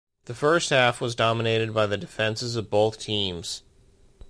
The first half was dominated by the defenses of both teams.